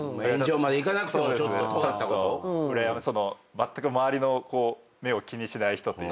まったく周りの目を気にしない人というか。